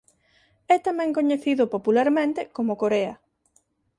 É tamén coñecido popularmente como Corea.